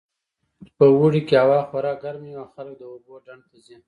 په اوړي کې هوا خورا ګرمه وي او خلک د اوبو ډنډ ته ځي